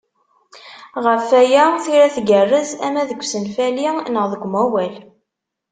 Ɣef waya, tira tgerrez ama deg usenfali neɣ deg umawal.